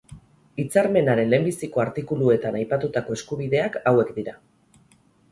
Hitzarmenaren lehenbiziko artikuluetan aipatutako eskubideak hauek dira.